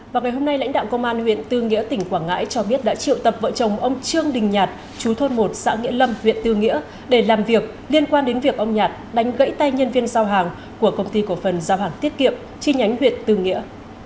vào ngày hôm nay lãnh đạo công an huyện tư nghĩa tỉnh quảng ngãi cho biết đã triệu tập vợ chồng ông trương đình nhạt chú thôn một xã nghĩa lâm huyện tư nghĩa để làm việc liên quan đến việc ông nhạt đánh gãy tay nhân viên giao hàng của công ty cổ phần giao hàng tiết kiệm chi nhánh huyện tư nghĩa